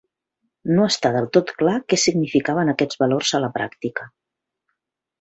No està del tot clar què significaven aquests valors a la pràctica.